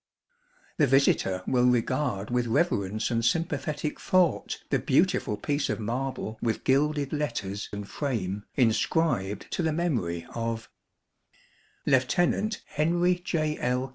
The visitor will regard with reverence and sympathetic thought the beautiful piece of marble with gilded letters and frame inscribed to the memory of LIEUTENANT HENRY J. L.